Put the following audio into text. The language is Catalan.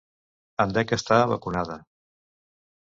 En dec estar vacunada.